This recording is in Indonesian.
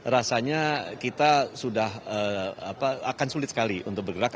rasanya kita sudah akan sulit sekali untuk bergerak